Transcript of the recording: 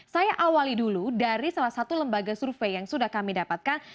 saya awali dulu dari salah satu lembaga survei yang sudah kami dapatkan